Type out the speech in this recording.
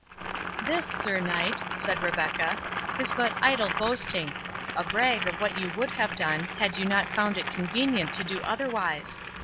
"This, Sir Knight," said Rebecca, "is but idle boasting—a brag of what you would have done had you not found it convenient to do otherwise.